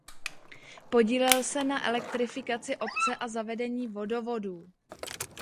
Podílel se na elektrifikaci obce a zavedení vodovodu.